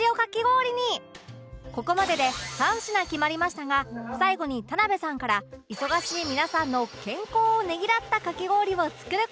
ここまでで３品決まりましたが最後に田辺さんから忙しい皆さんの健康をねぎらったかき氷を作る事に